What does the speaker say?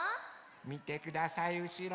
みてくださいうしろ！